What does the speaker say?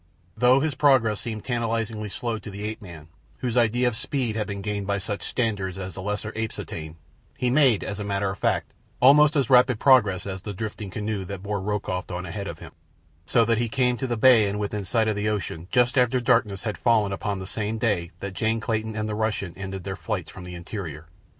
Though his progress seemed tantalizingly slow to the ape man whose idea of speed had been gained by such standards as the lesser apes attain, he made, as a matter of fact, almost as rapid progress as the drifting canoe that bore Rokoff on ahead of him, so that he came to the bay and within sight of the ocean just after darkness had fallen upon the same day that Jane Clayton and the Russian ended their flights from the interior.